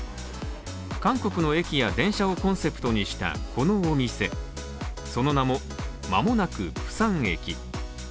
韓国の駅や電車をコンセプトにしたこのお店、その名も、まもなく釜山駅。